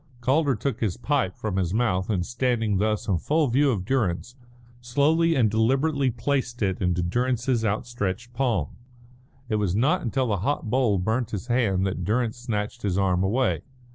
Calder took his pipe from his mouth, and, standing thus in full view of Durrance, slowly and deliberately placed it into Durrance's outstretched palm. It was not until the hot bowl burnt his hand that Durrance snatched his arm away.